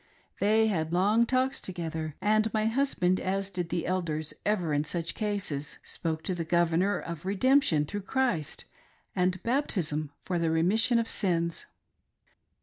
They had long talks together, and my husband — as did the Elders ever in such cases — spoke to the Governor of redemption through Christ, and baptism for the remission of sins.